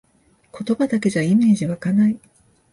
言葉だけじゃイメージわかない